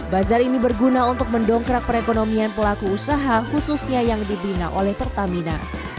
bazar ini berguna untuk mendongkrak perekonomian pelaku usaha khususnya yang dibina oleh pertamina